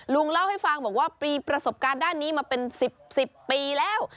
ลุงเล่าให้ฟังบอกว่ามีประสบการณ์ด้านนี้มาเป็น๑๐ปีแล้ว